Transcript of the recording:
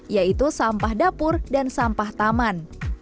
yaitu sampah dapur dan sampah taman